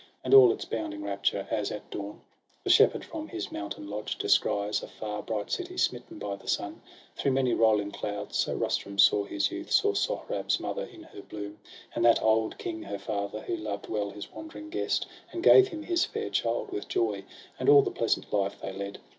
And all its bounding rapture; as, at dawn, The shepherd from his mountain lodge descries A far, bright city, smitten by the sun, Through many rolling clouds — so Rustum saw His youth ; saw Sohrab's mother, in her bloom ; And that old king, her father, who loved well His wandering guest, and gave him his fair child With joy ; and all the pleasant life they led.